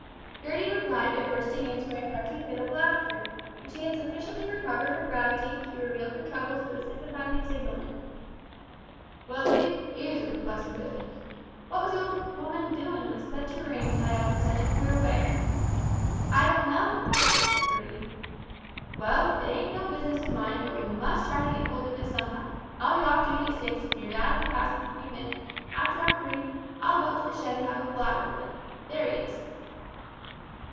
Gertie replied by bursting into a hearty fit of laughter; when she had sufficiently recovered her gravity, she revealed her troubles to the sympathising signalman. "Well, it is a perplexin' business. What was the old woman doin' wi' such a ring tied up in such a queer way?" "I don't know," said Gertie. "Well, it ain't no business of mine, but we must try to git hold of it somehow. I'll be off dooty at six, and your dad'll be passin' in a few minutes. After I'm free, I'll go up to the shed and have a palaver with 'im. There he is."